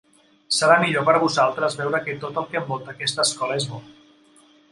Serà millor per vosaltres veure que tot el que envolta aquesta escola és bo.